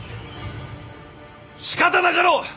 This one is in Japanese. しかたなかろう。